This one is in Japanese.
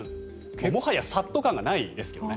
もはやさっと感がないですけどね。